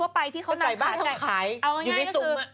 ไม่รู้